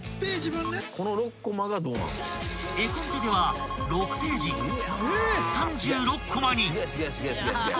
［絵コンテでは６ページ３６こまに］